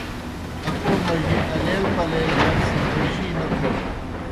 اکو مجیْ الَیل پلَیل جک سہ خورجی نہ تھینَن۔